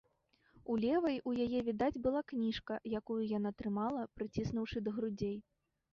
У левай у яе відаць была кніжка, якую яна трымала, прыціснуўшы да грудзей.